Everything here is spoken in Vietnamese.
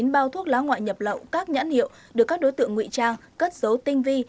một bốn trăm ba mươi chín bao thuốc lá ngoại nhập lậu các nhãn hiệu được các đối tượng ngụy trang cất dấu tinh vi